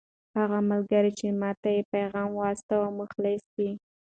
هغه ملګری چې ما ته یې پیغام واستاوه مخلص دی.